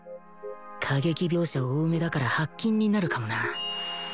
過激描写多めだから発禁になるかもな